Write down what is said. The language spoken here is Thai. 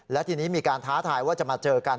และทีนี้มีการท้าทายว่าจะมาเจอกัน